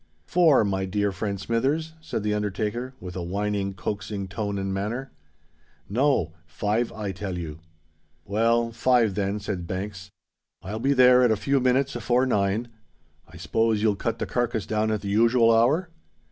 "Four, my dear friend Smithers?" said the undertaker, with a whining, coaxing tone and manner. "No—five, I tell you." "Well—five then," said Banks. "I'll be there at a few minits 'afore nine: I s'pose you'll cut the carkiss down at the usual hour?"